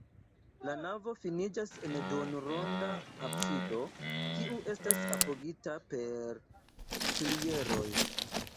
La navo finiĝas en duonronda absido, kiu estas apogita per pilieroj.